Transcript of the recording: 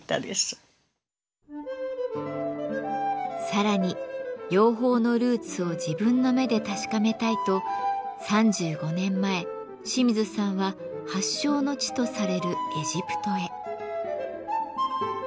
さらに養蜂のルーツを自分の目で確かめたいと３５年前清水さんは発祥の地とされるエジプトへ。